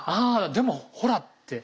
でもほらって。